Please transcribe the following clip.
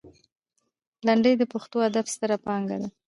لنډۍ د پښتو ادب ستره پانګه ده.